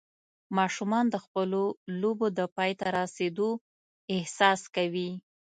ماشومان د خپلو لوبو د پای ته رسېدو احساس کوي.